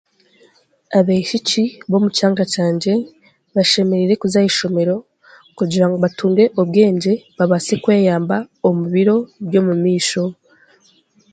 Abaishiki b'omu kyanga kyangye bashemereire kuza aha ishomero kugira batunge obwengye babaase kweyamba omu biro by'omumaisho